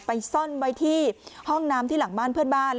ซ่อนไว้ที่ห้องน้ำที่หลังบ้านเพื่อนบ้าน